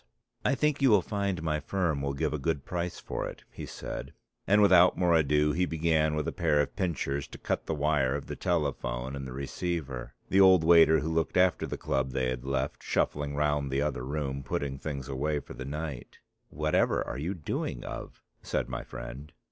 "I think you will find my firm will give a good price for it," he said: and without more ado he began with a pair of pincers to cut the wire of the telephone and the receiver. The old waiter who looked after the club they had left shuffling round the other room putting things away for the night. "Whatever are you doing of?" said my friend.